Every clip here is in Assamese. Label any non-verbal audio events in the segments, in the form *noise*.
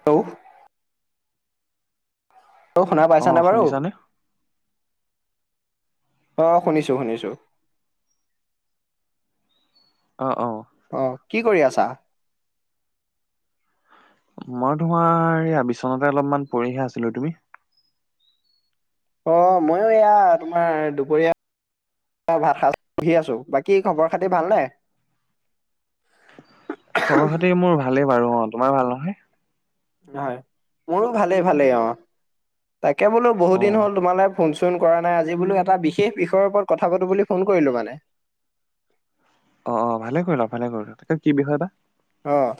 হেল্ল' মোক শুনা অ পাইছা নে বাৰু? শুনিছানে? অঁ' শুনিছোঁ শুনিছোঁ। অহ-অহ'। অঁ' কি কৰি আছা? মই তোমাৰ এই বিচনাতে অলপমান পৰিহে আছিলো। তুমি? অঁ' মইও এয়া তোমাৰ দুপৰীয়া মই ভাত খ *unintelligible* পুহি আছো। বাকী খবৰ খাতি ভালনে? খবৰ খাতি মোৰ ভালেই বাৰু অঁ' তোমাৰ ভাল নহয়? হয়। মোৰো ভালেই ভালেই অঁ'। তাকে বোলো বহু অ দিন হ'ল তোমালে ফোন চোন কৰা নাই। আজি বোলো এটা বিশেষ বিষয়ৰ ওপৰত কথা পাতো বুলি ফোন কৰিলো মানে। অঁ অঁ' ভালে কৰিলা ভালে কৰিলা। তাকে কি বিষয় বা? অঁ'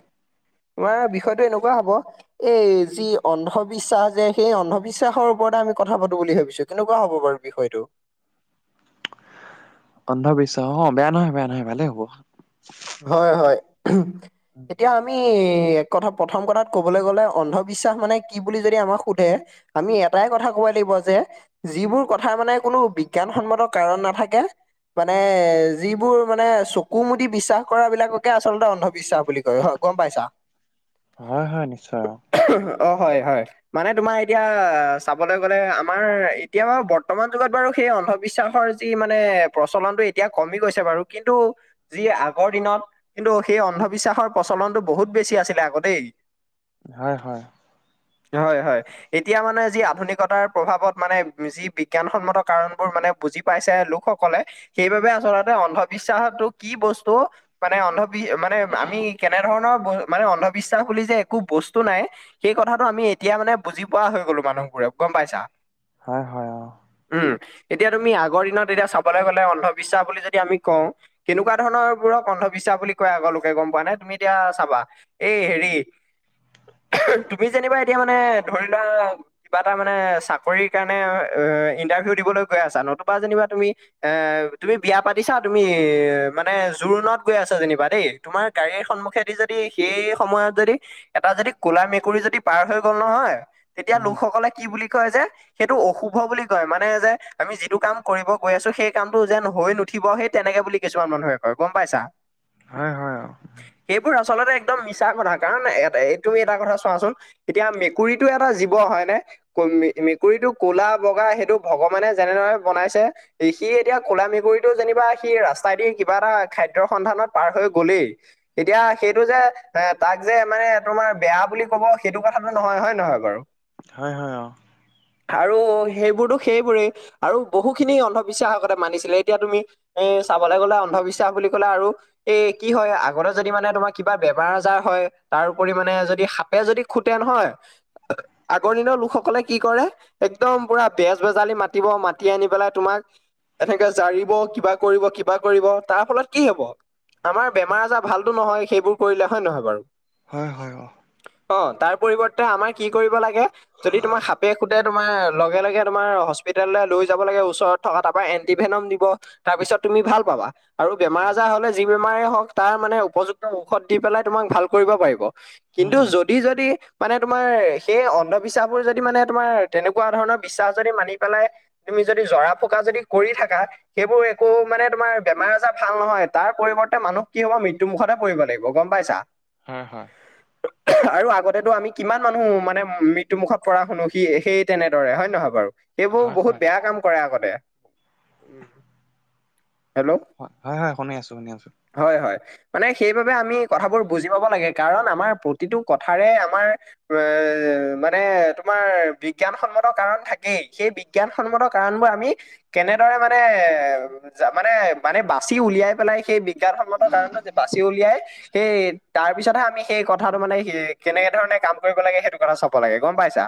তোমাৰ বিষয়টো এনেকুৱা হ'ব এই যি অন্ধবিশ্বাস যে সেই অন্ধবিশ্বাসৰ ওপৰতে আমি কথা পাতো বুলি ভাবিছো, কেনেকুৱা হ'ব বাৰু- বিষয়টো। অন্ধবিশ্বাস অঁ' বেয়া নহয় বেয়া নহয় ভালেই হ'ব। হয় হয়। উম, এতিয়া আমি এক কথা প্ৰথম কথাত ক'বলৈ গ'লে অন্ধবিশ্বাস মানে কি বুলি যদি আমাক সোধে আমি এটাই কথা ক'ব লাগিব যে যিবোৰ কথাই মানে কোনো বিজ্ঞানসন্মত কাৰণ নাথাকে। মানে যিবোৰ মানে চকু মুদি বিশ্বাস কৰা বিলাককে আচলতে অন্ধবিশ্বাস বুলি কয়। হয়, গম পাইছা। হয় হয় নিশ্চয় অঁ'। অঁ' হয় হয়। মানে তোমাৰ এতিয়া চাবলৈ গ'লে আমাৰ এতিয়া বাৰু বৰ্তমান যুগত বাৰু সেই অন্ধবিশ্বাসৰ যি মানে প্ৰচলনটো এতিয়া কমি গৈছে বাৰু কিন্তু যি আগৰ দিনত কিন্তু সেই অন্ধবিশ্বাসৰ প্ৰচলনটো বহুত বেছি আছিলে আক দেই। হয় হয়। হয় হয়। এতিয়া মানে যি আধুনিকতাৰ প্ৰভাৱত মানে যি বিজ্ঞানসন্মত কাৰণবোৰ মানে বুজি পাইছে লোকসকলে সেইবাবে আচলতে অন্ধবিশ্বাসতো কি বস্তু টো মানে অন্ধবি মানে আমি কেনে ধৰণৰ মানে অন্ধবিশ্বাস বুলি যে একো বস্তু নাই সেই কথাটো আমি এতিয়া মানে বুজি পোৱা হৈ গলো মানুহবোৰে গম পাইছা? হয় হয়। অ উম, এতিয়া তুমি আগৰ দিনত এতিয়া চাবলৈ গ'লে অন্ধবিশ্বাস বুলি যদি আমি কওঁ কেনেকুৱা ধৰণৰ বোৰক অন্ধবিশ্বাস বুলি কয় আগৰলোকে গম পোৱা নে? তুমি এতিয়া চাবা এই হেৰি এহে, তুমি যেনিবা এতিয়া মানে ধৰি লোৱা কিবা এটা মানে চাকৰিৰ কাৰণে এ ইণ্টাৰভিউ দিবলৈ গৈ আছা, নতুবা যেনিবা তুমি এ তুমি বিয়া পাতিছা, তুমি মানে যু জোৰোণত গৈ আছ যেনিবা দেই, তোমাৰ গাড়ীৰ সন্মুখেদি যদি সেই সময়ত যদি এটা যদি কলা মেকুৰী যদি পাৰ হৈ গল নহয়, তেতিয়া উম লোকসকলে কি বুলি কয় যে সেইটো অশুভ বুলি কয় মানে যে আমি যিটো কাম কৰিব গৈ আছো সেই কামটো যেন হৈ নুঠিব সেই তেনেকে বুলি কিছুমান মানুহে কয় গম পাইছা? হয় হয় অ। সেইবোৰ আচলতে একদম মিছা কথা কাৰণ এ এইটো তুমি এটা কথা চোৱাচোন? এতিয়া মেকুৰীটো এটা জীৱ হয়নে? কল মে - মেকুৰীটো কলা - বগা সেইটো ভগৱানে যেনেদৰে বনাইছে এ সি এতিয়া কোলা মেকুৰীটো যেনিবা সি ৰাস্তাইদি সি কিবা এটা খাদ্যৰ সন্ধানত পাৰ হৈ গ'লেই এতিয়া সেইটো যে এ তাক যে মানে তোমাৰ বেয়া বুলি কব সেইটো কথাটো নহয় হয় নে নহয় বাৰু? হয় -হয় অ। আৰু সেইবোৰটো, সেইবোৰেই আৰু বহুখিনি অন্ধবিশ্বাসক আগতে মানিছিলে এতিয়া তুমি এ চাবলৈ গ'লে অ অন্ধবিশ্বাস বুলি ক'লে আৰু এ কি হয়, আগতে যদি মানে তোমাৰ কিবা বেমাৰ - আজাৰ হয় তাৰওপৰি মানে যদি সাপে যদি খুটে নহয়, আগৰ দিনৰ লোকসকলে কি কৰে একদম পুৰা বেজ বেজালি মাতিব, মাতি আনি পেলাই তোমাক এনেকে জাৰিব, কিবা কৰিব কিবা কৰিব তাৰ ফলত কি হব? আমাৰ বেমাৰ - আজাৰ ভালতো নহয় সেইবোৰ কৰিলে হয় নহয় বাৰু? হয় হয় অঁ। অ, তাৰ পৰিৱৰ্তে আমাৰ কি কৰিব লাগে যদি তোমাৰ সাপে খুতে, তোমাৰ লগে- লগে তোমাৰ হস্পিতেললৈ লৈ যাব লাগে ওচৰত থকা তাৰপাৰা এণ্টিভেনম দিব তাৰ পিছত তুমি ভাল পাবা। আৰু বেমাৰ - উম আজাৰ হলে, যি বেমাৰে হওক তাৰ মানে উপযুক্ত ঔষধ দি পেলাই তোমাক ভাল কৰিব পাৰিব। উম কিন্তু উম, যদি - যদি মানে তোমাৰ সেই অন্ধবিশ্বাসবোৰ যদি মানে তোমাৰ তেনেকুৱা ধৰণৰ বিশ্বাস যদি মানি পেলাই তুমি যদি জৰা ফুকা যদি কৰি থাকা সেইবোৰ একো মানে তোমাৰ বেমাৰ- আজাৰ ভাল নহয়। তাৰ পৰিৱৰ্তে মানুহ কি হব, মৃত্যু মুখতে পৰিব লাগিব গম পাইছা? হয়- হয়। *inaudible* অহ আৰু আগতেটো আমি কিমান মানুহ মানে মৃত্যু মুুখত পৰা শুনো সি সেই তেনেদৰে হয় নে নহয় বাৰু? সেইবোৰ হয় বহুত হয় বেয়া কাম কৰে আগতে ওম। হেল্ল'? অ হয়- হয়, শুনি আছো, শুনি আছো। হয়- হয়। মানে সেইবাবে আমি কথাবোৰ বুজি পাব লাগে কাৰণ আমাৰ প্ৰতিটো কথাৰে আমাৰ এ, মানে তোমাৰ বিজ্ঞানসন্মত কাৰণ থাকেই। সেই বিজ্ঞান। বিজ্ঞানসন্মত কাৰণবোৰ আমি কেনেদৰে মানে- মানে- মানে। বাচি উলিয়াই পেলাই, সেই বিজ্ঞানসন্মত কাৰণটো যে বাচি উলিয়াই। সেই তাৰ পিছতহে আমি সেই কথাটো মানে হি কেনেকে ধৰণে কাম কৰিব লাগে। সেইটো কথা চব- লাগে। গম পাইছা।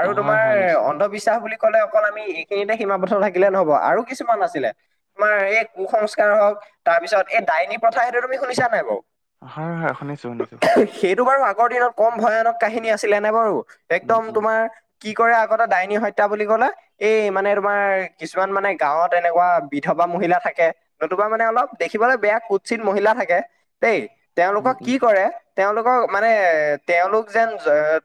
আৰু অ, হয় তোমাৰ হয় নিশ্চয় অন্ধবিশ্বাস। বুলি কলে অকল আমি এইখিনিতে সীমাবদ্ধ থাকিলে নহব। আৰু কিছুমান আছিলে তোমাৰ এই কু- সংস্কাৰ। হওঁক। তাৰ পিছত এই ডাইনী প্ৰথা সেইটো তুমি শুনিছা নাই বাৰু? হয়- হয়, শুনিছো- শুনিছো। সেইটো বাৰু আগৰ দিনত কম ভয়ানক কাহিনী আছিলে নে বাৰু। উম একদম উম তোমাৰ, কি কৰে আগতে ডাইনী হত্যা বুলি ক'লে। এই মানে তোমাৰ কিছুমান মানে গাঁৱত এনেকুৱা বিধৱা মহিলা থাকে। নতুবা মানে অলপ দেখিবলৈ বেয়া কুৎসিত মহিলা থাকে দেই। উম তেওঁলোকক কি উম কৰে, তেওঁলোকক মানে। তেওঁলোক যেন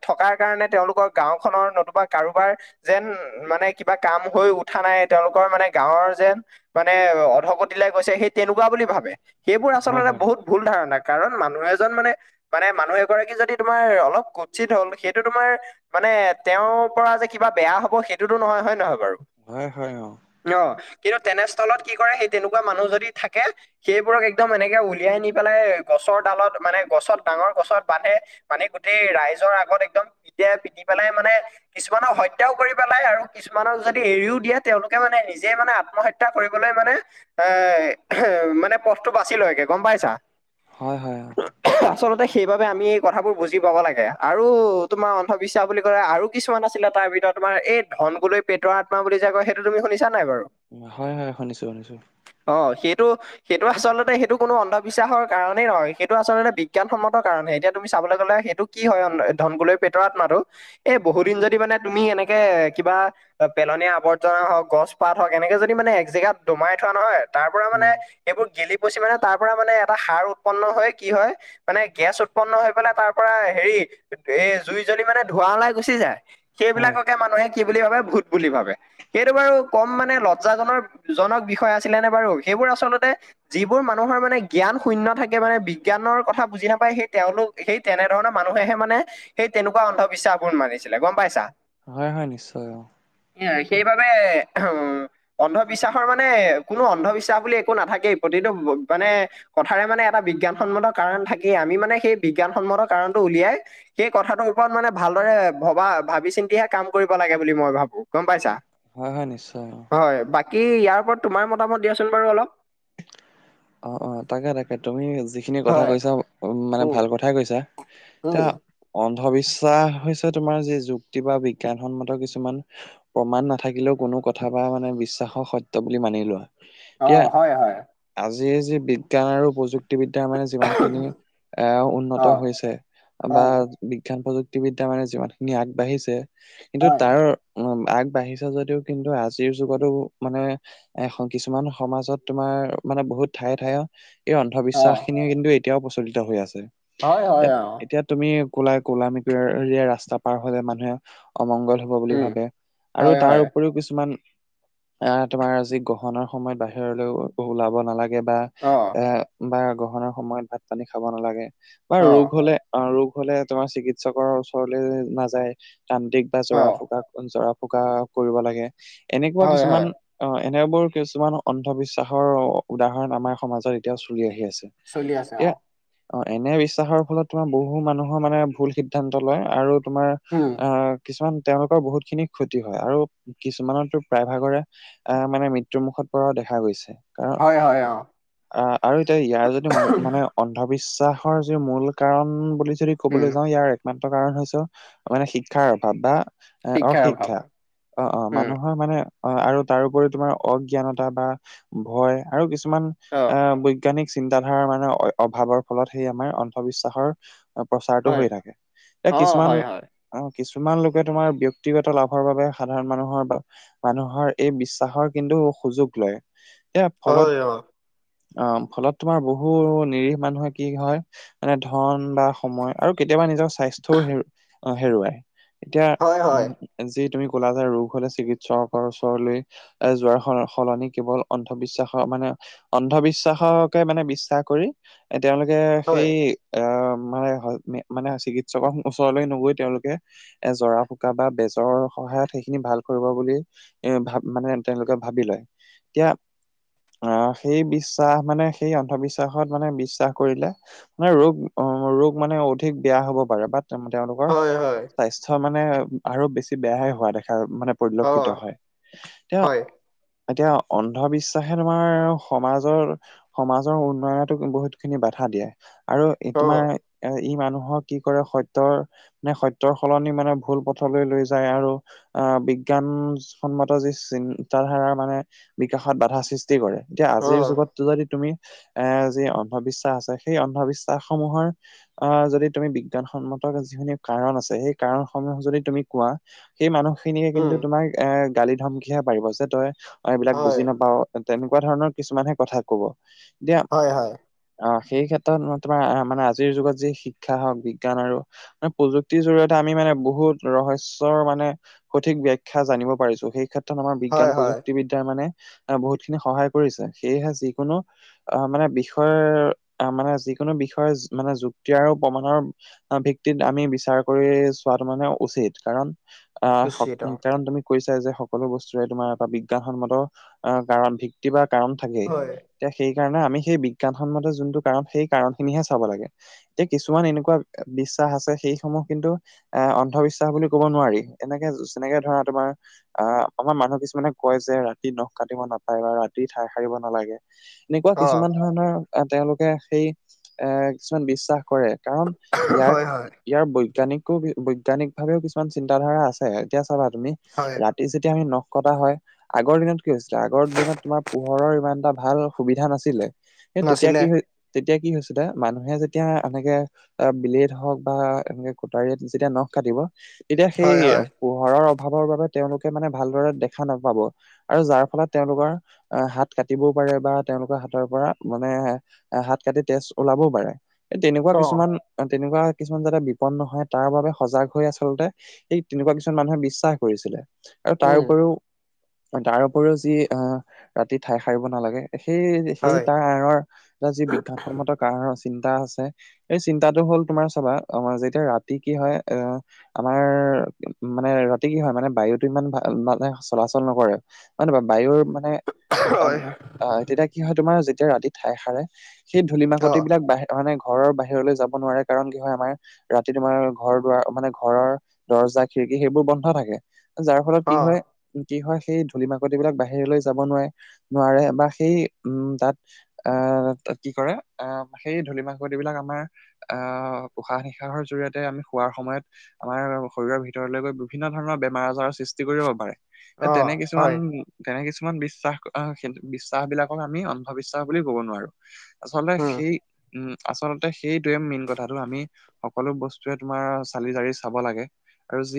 থকাৰ কাৰণে তেওঁলোকৰ গাঁওখনৰ নতুবা কাৰোবাৰ, যেন মানে কিবা কাম হৈ উঠা নাই। তেওঁলোকৰ মানে গাঁৱৰ যেন মানে অধগত দিলাই গৈছে। সেই তেনেকুৱা বুলি ভাবে সেইবোৰ হয় আচলতে হয় বহুত ভুল ধাৰণা। কাৰণ মানুহ এজন মানে, মানে মানুহ এগৰাকী যদি তোমাৰ অলপ কুৎসিত হল। সেইটো তোমাৰ, মানে তেওঁৰ পৰা যে কিবা বেয়া হব। সেইটোতো নহয়, হয় নহয় বাৰু? হয়- হয় অ, অ কিন্তু তেনেস্থলত কি কৰে সেই তেনেকুৱা মানুহ যদি থাকে। সেইবোৰক একদম এনেকে উলিয়াই নি পেলাই গছৰ ডালত মানে গছত, ডাঙৰ গছত বান্ধে। মানে গোটেই ৰাইজৰ আগত একদম পি পিন্ধি পেলাই মানে। কিছুমানক হত্যাও, কৰি পেলাই আৰু কিছুমানক যদি এৰিও দিয়ে তেওঁলোকে মানে নিজে মানে আত্মহত্যা কৰিবলৈ মানে। এ মানে পথটো বাচি লৈগে গম পাইছা। হয় হয় হয়। আচলতেই সেইবাবে আমি এই কথাবোৰ বুজি পাব লাগে আৰু তোমাৰ অন্ধবিশ্বাস বুলি ক'লে। আৰু কিছুমান আছিলে তাৰ ভিতৰত তোমাৰ এই ধন গোলৈ পেটৰ আত্মা বুলি যে কয় সেইটো তুমি শুনিছা নাই বাৰু। হয় হয় শুনিছো শুনিছো। অ, সেইটো, সেইটো আচলতে সেইটো কোনো অন্ধবিশ্বাসৰ কাৰণেই নহয়। সেইটো আচলতে বিজ্ঞানসন্মতৰ কাৰণহে। এতিয়া তুমি চাবলৈ গ'লে সেইটো, কি হয় ধনগুলৈৰ পেটৰ আত্মাটো। এ বহু দিন যদি মানে তুমি এনেকে কিবা, পেলনীয়া আৱৰ্জনা হওক, গছ, পাত, হওক এনেকে যদি মানে এক জেগাত দমাই থোৱা নহয়। তাৰ পৰা মানে,। উম এইবোৰ গেলি পচি মানে। তাৰ পৰা মানে এটা সাৰ উৎপন্ন হৈ কি হয়? মানে গেছ উৎপন্ন হৈ, পেলাই তাৰ পৰা হেৰি, এ জুই জ্বলি মানে ধোঁৱা ওলাই গুচি যায়। হয় সেইবিলাককে মানুহে, কি বুলি ভাবে ভূত, বুলি ভাবে। সেইটো বাৰু কম মানে লজ্জাজনক জনক। বিষয় আছিলে নে বাৰু। সেইবোৰ আচলতে। যিবোৰ মানুহৰ মানে জ্ঞান, শুন্য থাকে মানে বিজ্ঞানৰ, কথা বুজি নাপায় সেই তেওঁলোক- সেই তেনেধৰণৰ মানুহেহে মানে সেই তেনেকুৱা অন্ধবিশ্বাসবোৰ মানিছিলে গম পাইছা। হয় হয় নিশ্চয় অ এ সেইবাবে অন্ধবিশ্বাসৰ মানে। মানে কোনো অন্ধবিশ্বাস বুলি একো নাথাকেই প্ৰতিটো মানে। কথাৰে মানে এটা বিজ্ঞানসন্মত কাৰণ থাকেই আমি মানে সেই বিজ্ঞানসন্মতৰ কাৰণটো উলিয়াই। সেই কথাটোৰ ওপৰত মানে ভালদৰে ভবা ভাবি চিন্তিহে কাম কৰিব লাগে বুলি মই ভাবো গম পাইছা। হয় হয় নিশ্চয়। হয় বাকী ইয়াৰ ওপৰত তোমাৰ মতামত দিয়াচোন বাৰু অলপ। অ অ তাকে তাকে তুমি যিখিনি কথা হয়, কৈছা মানে উম, ভাল কথাই কৈছা। ত। উম, অন্ধবিশ্বাস হৈছে তোমাৰ যি যুক্তি বা বিজ্ঞানসন্মত কিছুমান। প্ৰমাণ নাথাকিলেও কোনো কথা বা মানে বিশ্বাসৰ সত্য বুলি মানি লোৱা। অ এতিয়া হয় হয়। আজিৰ যি বিজ্ঞান আৰু প্ৰযুক্তিবিদ্যা মানে যিমান খিনি এ উন্নত অ', হৈছে। বা হয়, বিজ্ঞান প্ৰযুক্তিবিদ্যা মানে যিমান খিনি আগবাঢ়িছে কিন্তু হয়, তাৰ। উ আগবাঢ়িছা যদিও কিন্তু আজিৰ যুগতো মানে। এ কিছুমান সমাজত তোমাৰ। মানে বহুত ঠায়ে ঠায়ে এই অন্ধবিশ্বাস অ', খিনিয়ে কিন্তু এতিয়াও প্ৰচলিত হৈ আছে। হয়, হয়, এত অ', এতিয়া। তুমি কলাই কলা মক ৰাস্তা পাৰ হ'লে মানুহে অমংগল। বুলি উম, ভাবে আৰু হয়, তাৰ হয়, উপৰিও কিছুমান। আহ তোমাৰ যি গ্ৰহণৰ সময়ত বাহিৰলৈ ওলাব নালাগে। বা অ', এ বা গ্ৰহণাৰ সময়ত ভাত পানী খাব নালাগে বা ৰোগ অ', হ'লে। অ ৰোগ হ'লে তোমাৰ চিকিৎসকৰ ওচৰলে নাযায় তান্ত্ৰিক। জৰা অ', ফুকা জৰা ফুকা কৰিব লাগে এনেকুৱা হয়, হয়, কিছুমান। অ এনেবোৰ কিছুমান অন্ধবিশ্বাসৰ উদাহৰণ আমাৰ সমাজত এতিয়াও চলি আহি আছে। চলি আছে এতিয়া অ। অ এনে বিশ্বাসৰ ফলত তোমাৰ বহু মানুহৰ মানে ভুল সিদ্ধান্ত লয় আৰু তোমাৰ। উম। আহ কিছুমান তেওঁলোকৰ বহুত খিনি ক্ষতি হয় আৰু কিছুমানতো প্ৰায় ভাগৰে। আহ মানে মৃত্যু মুখত পৰাও দেখা গৈছে। আ হয়, হয়, অ', আহ আৰু এতিয়া ইয়াৰ যদি মানে। অন্ধবিশ্বাসৰ যি মূল কাৰণ বুলি যদি উম, ক'বলৈ যাওঁ ইয়াৰ। একমাত্ৰ কাৰণ হৈছে মানে শিক্ষাৰ অভাৱ বা। এ শিক্ষাৰ অভাৱ, অশিক্ষা অ অ উম, মানুহৰ মানে। অ আৰু তাৰপৰি তোমাৰ অজ্ঞানতা বা ভয় আৰু কিছুমান অ', আহ। বৈজ্ঞানিক চিন্তাধাৰা মানে অভাৱৰ ফলত সেই আমাৰ অন্ধবিশ্বাসৰ। প্ৰচাৰটো হয়, হৈ থাকে এ অ', কিছুমান। হয়, হয়, অ কিছুমান লোকে তোমাৰ ব্যক্তিগত লাভৰ বাবে সাধাৰণ মানুহৰ। মানুহৰ এই বিশ্বাসৰ কিন্তু সুযোগ লয় এ ফলত। হয়, অ', অ ফলত তোমাৰ বহু নিৰিখ মানুহে কি হয়। মানে ধন বা সময় আৰু কেতিয়াবা নিজক। স্বাস্থ্যও হে হেৰুৱাই এতিয়া হয়, হয়, উ। যি তুমি ক'লাাজাৰ ৰোগ হলে চিকিৎসকৰ ওচৰলৈ এ যোৱাৰ স সলনি কেৱল। অন্ধবিশ্বাসৰ মানে অন্ধবিশ্বাসকে মানে বিশ্বাস কৰি। এ তেওঁলোকে সেই। আহ *unintelligible* মানে মানে চিকিৎসকৰ ওচৰলৈ নগৈ তেওঁলোকে। এ জৰা ফুকা বা বেজৰ সহায়ত সেইখিনি ভাল কৰিব বুলি। এ ভাব মানে তেওঁলোকে ভাবি লয় এতিয়া। অ সেই বিশ্বাস মানে সেই অন্ধবিশ্বাসত মানে বিশ্বাস কৰিলে। ন ৰোগ ৰোগ মানে অধিক বেয়া হ'ব পাৰে বাট। তে তেওঁলোকৰ হয়, হয়, স্বাস্থ্য মানে আৰু বেছি বেয়াহে হোৱা দেখা মানে পৰিলক্ষিত অ', হয়, এতিয়া হয়, এতিয়া অন নভাবিশ্বাসে তোমাৰ সমাজৰ সমাজৰ উন্নয়নতোক বহুত খিনি বাধা দিয়ে। আৰু এ অ', তোমাৰ ই মানুহক কি কৰে সত্যৰ মানে সত্যৰ সলনি মানে ভুল পথলৈ লৈ যায় আৰু অ' বিজ্ঞানসন্মত যি চিন্তা ধাৰা মানে বিকাশত বাধা সৃষ্টি কৰে। এতিয়া আজিৰ অ', যুগত যদি তুমি এ যি অন্ধবিশ্বাস আছে সেই অন্ধবিশ্বাস সমূহৰ আহ যদি তুমি বিজ্ঞানসন্মত যিখিনি কাৰণ আছে, সেই কাৰণসমূহ যদি তুমি কোৱা সেই মানুহ খিনিকে কিন্তু উম, তোমাক এ গালি ধমকিহে পাৰিব যে তই অ' এইবিলাক বুজ হয়, বাও তেনেকুৱা ধৰণৰ কিছুমান হে কথা ক'ব। দিয়া হয় হয়। অ' সেই ক্ষেত্ৰত তোমাৰ মানে আজিৰ যুগত যি শিক্ষা হওঁক বিজ্ঞান আৰু মানে প্ৰযুক্তিৰ জৰিয়তে আমি মানে বহুত ৰহস্যৰ মানে সঠিক ব্যাখ্যা জানিব পাৰিছো সেই ক্ষেত্ৰত আমাৰ হয়, বিজ্ঞান হয়। প্ৰযুক্তিবিদ্যাৰ মানে আ' বহুত খিনি সহায় কৰিছে সেয়েহে যিকোনো অ' মানে বিষয় মানে যিকোনো বিষয়ে মানে যুক্তি আৰু প্ৰমাণৰ অ' ভিত্তিত আমি বিচাৰ কৰি চোৱাটো মানে উচিত কাৰণ আহ কুচিত কাৰণ তুমি কৈছা যে সকলো বস্তুৰে তোমাৰ এটা বিজ্ঞানসন্মত অ' কাৰণ ভিত্তি বা কাৰণ থাকেই। হয় এতিয়া সেইকাৰণে আমি সেই বিজ্ঞানসন্মত যোনটো কাৰণ, সেই কাৰণ খিনিহে চাব লাগে। এতিয়া কিছুমান এনেকুৱা বিশ্বাস আছে। সেইসমূহ কিন্তু এ অন্ধবিশ্বাস বুলি কব নোৱাৰি। এনেকে যেনেকে ধৰা তোমাৰ আঁ আমাৰ মানুহ কিছুমানে কয় যে ৰাতি তি নখ কাটিব নাপায় বা ৰাতি ঠাই সাৰিব নালাগে, এনেকুৱা অ কিছুমান ধৰণৰ আহ তেওঁলোকে সেই এ কিছুমান বিশ্বাস কৰে কাৰণ ইয়াক হয় হয় ইয়াৰ বৈজ্ঞানিকো বৈজ্ঞানিক ভাৱেও কিছুমান চিন্তাধাৰা আছে এতিয়া চাবা তুমি হয় ৰাত ই যেতিয়া আমি নখ কটা হয় আগৰ দিনত কি হৈছিলে, আগৰ দিনত তোমাৰ পোহৰৰ ইমান এটা ভাল সুবিধা নাছিলে। সেই তেতিয়া নাছিলে কি হৈ তেতিয়া কি হৈছিলে মানুহে যেতিয়া এনেকে এ বিলেদ হওঁক বা এনেকে কোটাৰীত যেতিয়া নখ কাটিব এতিয়া সেই হয় হয় পোহৰৰ অভাৱৰ বাবে তেওঁলোকে মানে ভালদৰে দেখা নাপাব। আৰু যাৰ ফলত তেওঁলোকৰ আ হাত কাটিবও পাৰে বা তেওঁলোকৰ হাতৰ পৰা মানে হাত কাটি তেজ ওলাবও পাৰে, এই তেনেকুৱা অ কিছুমান তেনেকুৱা কিছুমান যাতে বিপদ নহয় তাৰ বাবে সজাগ হৈ আচলতে সেই তেনেকুৱা কিছুমান মানুহে বিশ্বাস কৰিছিলে আৰু উম তাৰ উপৰিও তাৰ উপৰিও যি অঁ ৰাতি ঠাই সাৰিব নালাগে, সেই সেই হয় তাৰ আঁৰৰ অ যি বিজ্ঞানসন্মত কাৰণৰ চিন্তা আছে এই চিন্তাটো হ'ল তোমাৰ চাবা অঁ যেতিয়া ৰাতি কি হয় আহ আমাৰ মানে ৰাতি কি হয়, মানে বায়ুটো ইমান ভাল মানে চলাচল চল নকৰে মানে বা বায়ুৰ মানে হয় অঁ তেতিয়া কি হয় তোমাৰ যেতিয়া ৰাতি ঠাই সাৰে সেই অ ধূলিমাকতি বিলাক বাহি তামানে ঘৰৰ বাহিৰলৈ যাব নোৱাৰে কাৰণ কি হয় আমাৰ ৰাতি তোমাৰ ঘৰ দুৱাৰ মানে ঘৰৰ দৰ্জা খিৰিকী সেইবোৰ বন্ধ থাকে। যাৰ ফলত অ কি হয়, কি হয় সেই ধূলি মাকতি বিলাক বাহিৰলৈ যাব নোৱাৰে নোৱাৰে বা সেই উম তাত আহ কি কৰে আহ সেই ধলি মাকটিবিলাক আমাৰ আহ উশাহ নিশাহৰ জৰিয়তে আমি শোৱাৰ সময়ত আমাৰ শৰীৰৰ ভিতৰলৈ গৈ বিভিন্ন ধৰণৰ বেমাৰ আজাৰৰ সৃষ্টি কৰিব পাৰে। এ অ তেনে কিছুমান হয় তেনে কিছুমান বিশ্বাস আহ বিশ্বাস বিলাকৰ আমি অন্ধবিশ্বাস বুলি কব নোৱাৰো। আচলতে উম সেই উম আচলতে সেইটোৱে মেইন কথাটো আমি সকলো বস্তুে তোমাৰ চালি জাৰি চাব লাগে আৰু যি